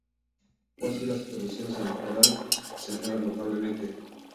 Fue así que las inversiones en el litoral se acrecentaron notablemente.